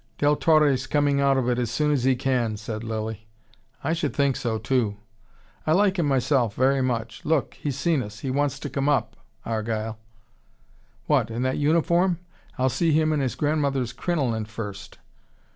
"Del Torre's coming out of it as soon as he can," said Lilly. "I should think so, too." "I like him myself very much. Look, he's seen us! He wants to come up, Argyle." "What, in that uniform! I'll see him in his grandmother's crinoline first."